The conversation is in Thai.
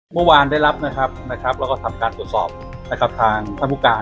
เมื่อวานได้รับแล้วก็ทำการตรวจสอบทางท่านผู้การ